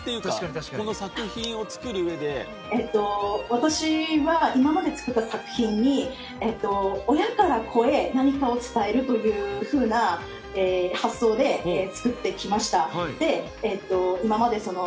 私は今まで作った作品に親から子へ何かを伝えるというふうな発想で作ってきました。